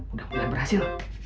udah mulai berhasil